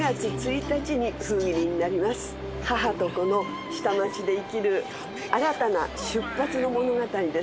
母と子の下町で生きる新たな出発の物語です。